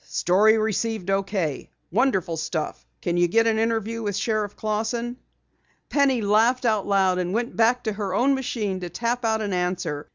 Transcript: "STORY RECEIVED OK. WONDERFUL STUFF. CAN YOU GET AN INTERVIEW WITH SHERIFF CLAUSSON?" Penny laughed aloud, and went back to her own machine to tap out an answer.